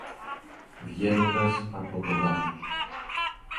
Βγαίνοντας από το δάσος